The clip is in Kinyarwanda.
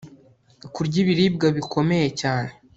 kurya ibiribwa bikomeye cyane